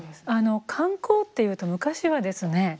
観光っていうと昔はですね